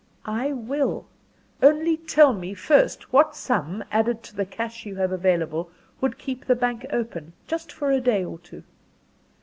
"I will; only tell me first what sum, added to the cash you have available, would keep the bank open just for a day or two."